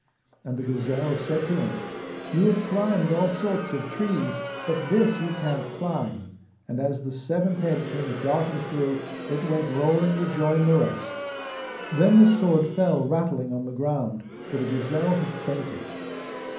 And the gazelle said to him, 'You have climbed all sorts of trees, but this you can't climb,' and as the seventh head came darting through it went rolling to join the rest. Then the sword fell rattling on the ground, for the gazelle had fainted.